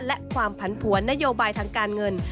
และความผันผวนนโยบายทางการเงิน